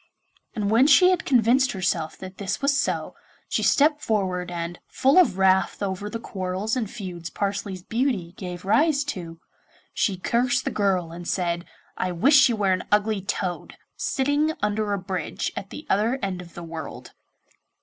And when she had convinced herself that this was so, she stepped forward, and, full of wrath over the quarrels and feuds Parsley's beauty gave rise to, she cursed the girl and said, 'I wish you were an ugly toad, sitting under a bridge at the other end of the world.